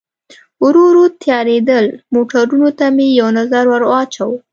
ورو ورو تیارېدل، موټرونو ته مې یو نظر ور واچاوه.